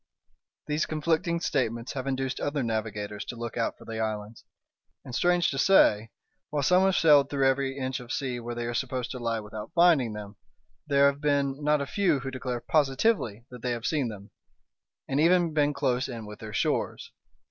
These conflicting statements have induced other navigators to look out for the islands; and, strange to say, while some have sailed through every inch of sea where they are supposed to lie without finding them, there have been not a few who declare positively that they have seen them; and even been close in with their shores.